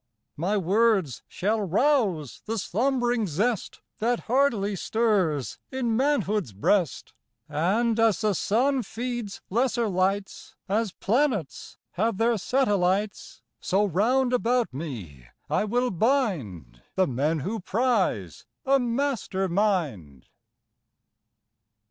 My words shall rouse the slumb'ring zest That hardly stirs in manhood's breast; And as the sun feeds lesser lights, As planets have their satellites, So round about me will I bind The men who prize a master mind!"